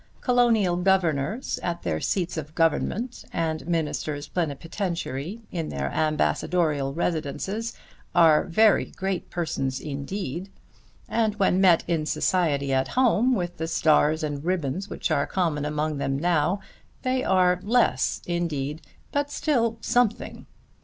Colonial governors at their seats of government, and Ministers Plenipotentiary in their ambassadorial residences are very great persons indeed; and when met in society at home, with the stars and ribbons which are common among them now, they are less indeed, but still something.